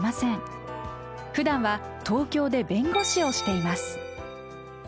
ふだんは東京で弁護士をしています。